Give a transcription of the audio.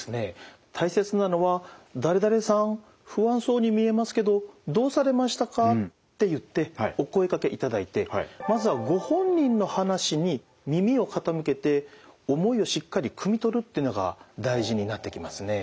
大切なのは「誰々さん不安そうに見えますけどどうされましたか？」って言ってお声がけいただいてまずはご本人の話に耳を傾けて思いをしっかりくみ取るっていうのが大事になってきますね。